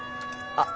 あっ！